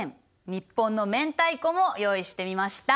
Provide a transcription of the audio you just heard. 日本の明太子も用意してみました。